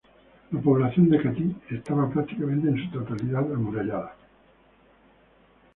La población de Catí, estaba prácticamente en su totalidad amurallada.